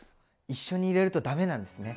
一緒に入れるとダメなんですね。